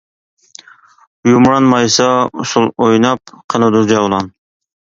يۇمران مايسا ئۇسسۇل ئويناپ، قىلىدۇ جەۋلان.